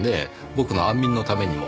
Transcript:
僕の安眠のためにも。